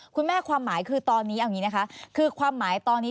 คุณแม่ความหมายคือตอนนี้คือความหมายตอนนี้